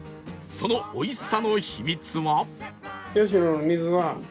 そのおいしさの秘密は？